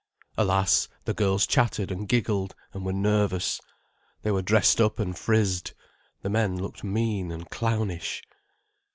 Alas, the girls chattered and giggled and were nervous, they were dressed up and frizzed, the men looked mean and clownish.